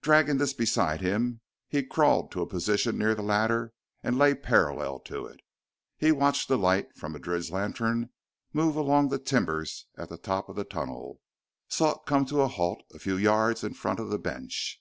Dragging this beside him, he crawled to a position near the ladder and lay parallel to it. He watched the light from Madrid's lantern move along the timbers at the top of the tunnel, saw it come to a halt a few yards in front of the bench.